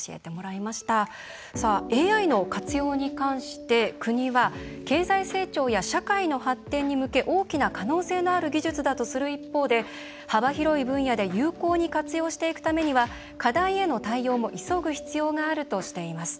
そうしたＡＩの活用に関して国は経済成長や社会の発展に向け大きな可能性のある技術だとする一方で幅広い分野で有効に活用していくためには課題への対応も急ぐ必要があるとしています。